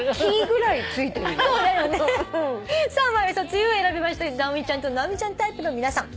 「梅雨」を選びました直美ちゃんと直美ちゃんタイプの皆さん